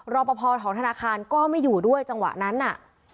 รอปภของธนาคารก็ไม่อยู่ด้วยจังหวะนั้นน่ะ